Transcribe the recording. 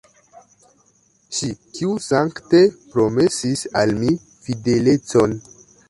Ŝi, kiu sankte promesis al mi fidelecon!